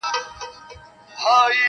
تر پخوا سره خواږه زاړه یاران سول -